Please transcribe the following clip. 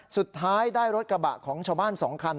สุดท้ายได้รถกระบะของชาวบ้าน๒คัน